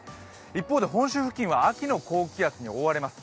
一方で本州付近は秋の高気圧に覆われます。